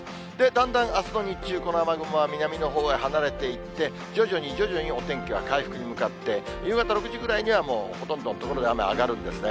だんだんあすの日中、この雨雲は南のほうへ離れていって、徐々に徐々にお天気は回復に向かって、夕方６時ぐらいには、もう、ほとんどの所で雨上がるんですね。